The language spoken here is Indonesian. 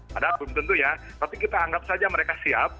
padahal belum tentu ya tapi kita anggap saja mereka siap